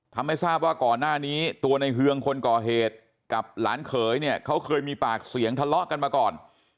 ทำให้ทราบว่าก่อนหน้านี้ตัวในเฮืองคนก่อเหตุกับหลานเขยเนี่ยเขาเคยมีปากเสียงทะเลาะกันมาก่อน